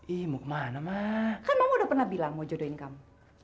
iya mau kemana ma kan udah pernah bilang mau jodohin kamu